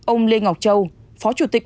ông lê ngọc châu phó chủ tịch